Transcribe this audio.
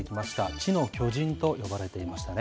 知の巨人と呼ばれていましたね。